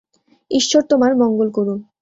ঈশ্বর তোমার মঙ্গল করুন।